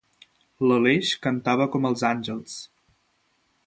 L'Aleix cantava com els àngels.